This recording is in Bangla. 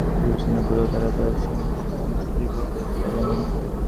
এসএসসি পরীক্ষার্থীদের কথা বিবেচনা করেও তারা তাদের সহিংস কর্মসূচি প্রত্যাহার করেনি।